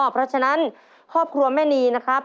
เพราะฉะนั้นครอบครัวแม่นีนะครับ